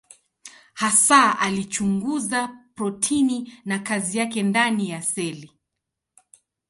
Hasa alichunguza protini na kazi yake ndani ya seli.